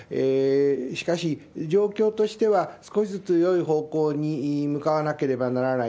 しかし、状況としては少しずつよい方向に向かわなければならない。